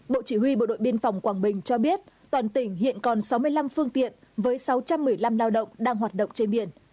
bộ chỉ huy bộ đội biên phòng quảng bình cho biết toàn tỉnh hiện còn sáu mươi năm phương tiện với sáu trăm một mươi năm lao động đang hoạt động trên biển